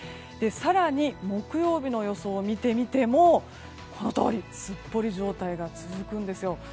更に木曜日の予想を見てみてもこのとおりすっぽり状態が続くんですよ。